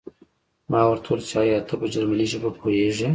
ما ورته وویل چې ایا ته په جرمني ژبه پوهېږې